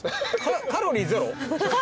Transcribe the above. カロリーゼロ？